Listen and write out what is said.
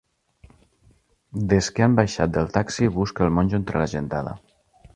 Des que han baixat del taxi busca el monjo entre la gentada.